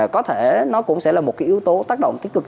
có thể nó cũng sẽ là một cái yếu tố tác động tích cực